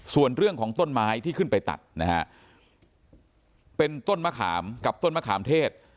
ส่วนเรื่องของต้นไม้ที่ขึ้นไปตัดนะฮะเป็นต้นมะขามกับต้นมะขามเทศ